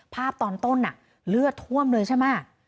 ตอนต้นเลือดท่วมเลยใช่ไหม